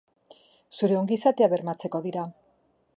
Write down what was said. Zure ongizatea bermatzeko dira.